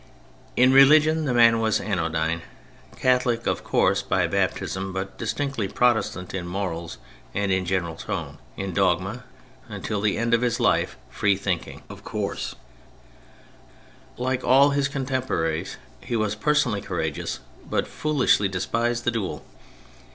In religion the man was anodyne, Catholic of course by baptism, but distinctly Pro testant in morals and in general tone, in dogma (until the end of his life) freethinking, of course, like all his contemporaries. He was personally courageous but foolishly despised the duel.